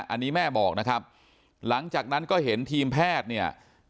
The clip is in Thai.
อันนี้แม่บอกนะครับหลังจากนั้นก็เห็นทีมแพทย์เนี่ย